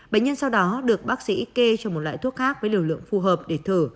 bệnh nhân sau đó được bác sĩ kê cho một loại thuốc khác với liều lượng phù hợp để thử